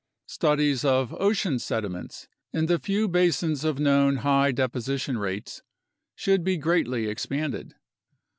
Studies of ocean sediments in the few basins of known high deposi tion rates should be greatly expanded.